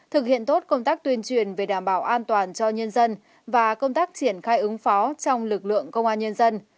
thực hiện tốt công tác tuyên truyền về đảm bảo an toàn cho nhân dân và công tác triển khai ứng phó trong lực lượng công an nhân dân